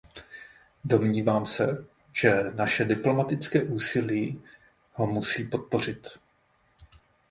Domnívám se, že naše diplomatické úsilí ho musí podpořit.